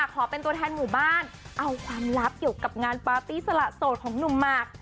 ขอเป็นตัวแทนหมู่บ้านเอาความลับเกี่ยวกับงานปาร์ตี้สละโสดของหนุ่มหมาก